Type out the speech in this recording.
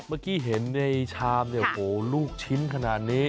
เมื่อกี้เห็นในชามเนี่ยโหลูกชิ้นขนาดนี้